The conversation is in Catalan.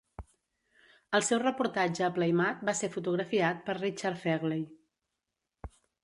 El seu reportatge a Playmate va ser fotografiat per Richard Fegley.